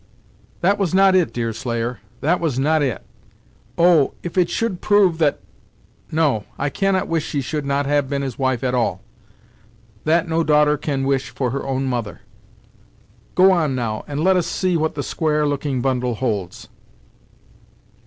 "That was not it, Deerslayer; that was not it. Oh! if it should prove that no; I cannot wish she should not have been his wife at all. That no daughter can wish for her own mother! Go on, now, and let us see what the square looking bundle holds."